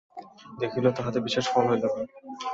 দেখিল তাহাতে বিশেষ ফল হইল না।